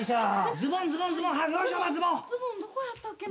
ズボンどこやったっけな？